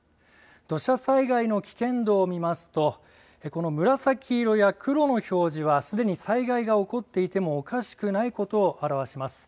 土砂災害の危険度を見ますと、この紫色や黒の表示はすでに災害が起こっていてもおかしくないことを表します。